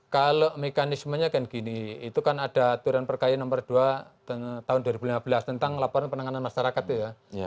kalau mekanismenya kayak gini itu kan ada aturan perkayaan nomor dua tahun dua ribu lima belas tentang laporan penanganan masyarakat itu ya